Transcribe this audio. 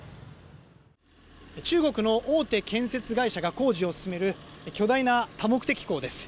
中国の大手建設会社が工事を進める巨大な多目的港です。